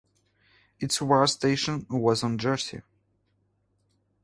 Its war station was on Jersey.